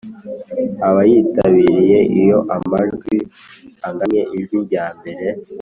abayitabiriye Iyo amajwi angannye ijwi ryambere